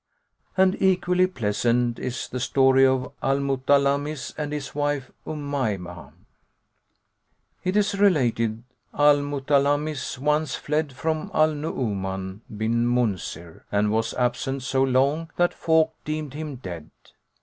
And equally pleasant is the story of AL MUTALAMMIS AND HIS WIFE UMAYMAH It is related Al Mutalammis[FN#105] once fled from Al Nu'uman bin Munzir[FN#106] and was absent so long that folk deemed him dead.